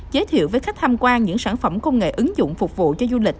giới thiệu với khách tham quan những sản phẩm công nghệ ứng dụng phục vụ cho du lịch